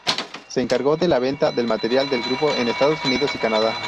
Se encargó de la venta del material del grupo en Estados Unidos y Canadá.